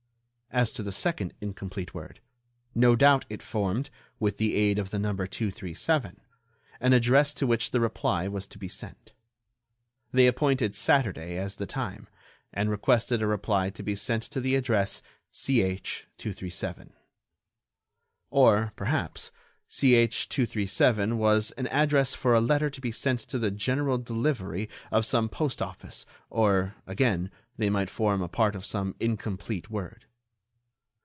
As to the second incomplete word, no doubt it formed, with the aid of the number 237, an address to which the reply was to be sent. They appointed Saturday as the time, and requested a reply to be sent to the address CH. 237. Or, perhaps, CH. 237 was an address for a letter to be sent to the "general delivery" of some postoffice, or, again, they might form a part of some incomplete word.